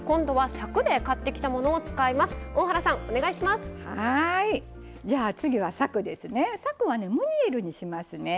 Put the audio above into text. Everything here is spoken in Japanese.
さくはねムニエルにしますね。